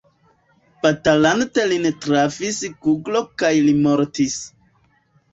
Batalante lin trafis kuglo kaj li mortis.